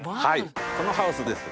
このハウスです。